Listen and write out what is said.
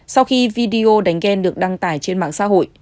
sau khi video đánh ghen được đăng tải trên mạng xã hội